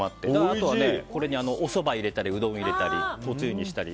あとは、これにおそばを入れたりうどんを入れたりおつゆにしたり。